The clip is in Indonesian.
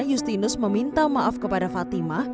justinus meminta maaf kepada fatimah